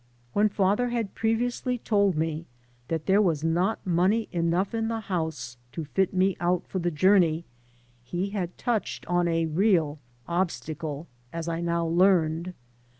When father had previously told me that there was not money enough in the house to fit me out for the journey he had touched on a real obstacle, as I now learned.